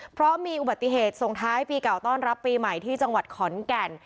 เพราะมีอุบัติเหตุส่งท้ายปีเก่าต้อนรับปีใหม่ที่จังหวัดขอนแก่น